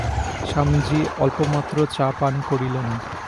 স্বামীজী অল্পমাত্র চা পান করিলেন।